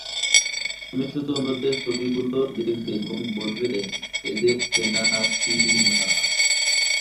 তুমি শুধু অন্যদের ছবিগুলো দেখবে এবং বলবে এদের চেন কি না।